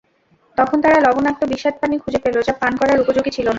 তখন তারা লবণাক্ত বিস্বাদ পানি খুঁজে পেল, যা পান করার উপযোগী ছিল না।